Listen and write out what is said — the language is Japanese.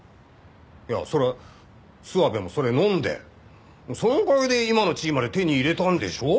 いやそれは諏訪部もそれをのんでそのおかげで今の地位まで手に入れたんでしょう？